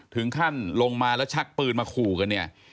ถึงขั้นลงมาแล้วชักปืนมาขู่กันเนี่ย